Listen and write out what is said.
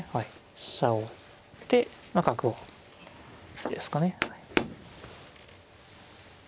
飛車を寄って角をですかね。